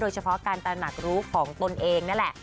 เฉพาะการตระหนักรู้ของตนเองนั่นแหละ